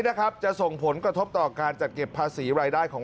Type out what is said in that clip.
นะครับจะส่งผลกระทบต่อการจัดเก็บภาษีรายได้ของ